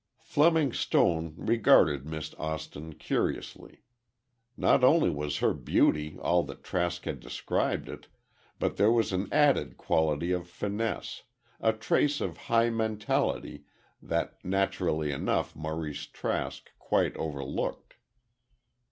Fleming Stone regarded Miss Austin curiously. Not only was her beauty all that Trask had described it, but there was an added quality of fineness, a trace of high mentality, that naturally enough Maurice Trask quite overlooked.